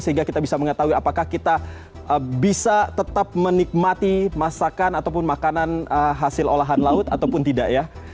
sehingga kita bisa mengetahui apakah kita bisa tetap menikmati masakan ataupun makanan hasil olahan laut ataupun tidak ya